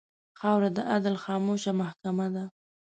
خاوره د عدل خاموشه محکمـه ده.